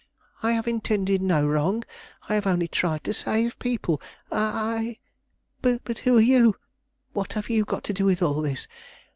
"I have intended no wrong; I have only tried to save people. I I But who are you? What have you got to do with all this?